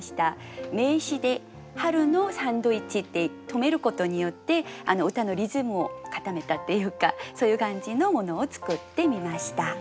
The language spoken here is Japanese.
名詞で「春のサンドイッチ」って止めることによって歌のリズムを固めたっていうかそういう感じのものを作ってみました。